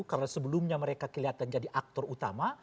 karena sebelumnya mereka kelihatan jadi aktor utama